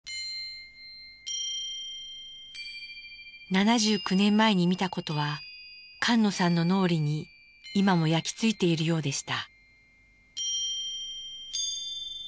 ７９年前に見たことは菅野さんの脳裏に今も焼き付いているようでした。